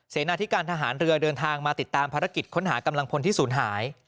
นาธิการทหารเรือเดินทางมาติดตามภารกิจค้นหากำลังพลที่ศูนย์หาย